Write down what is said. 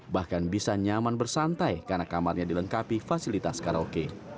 bahkan bisa nyaman bersantai karena kamarnya dilengkapi fasilitas karaoke